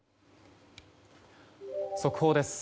速報です。